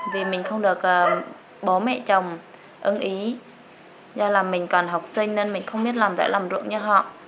vì mình không được bố mẹ chồng ưng ý do là mình còn học sinh nên mình không biết làm đã làm ruộng như họ